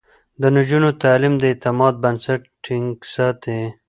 د نجونو تعليم د اعتماد بنسټ ټينګ ساتي.